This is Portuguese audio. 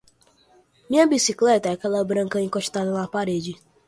Minha bicicleta é aquela branca encostada na parede.